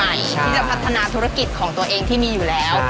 ที่จะพัฒนาธุรกิจของตัวเองที่มีอยู่แล้ว